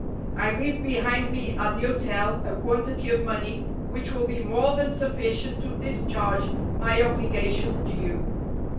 I leave behind me at the hotel a quantity of money which will be more than sufficient to discharge my obligations to you.